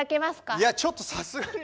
いやちょっとさすがに。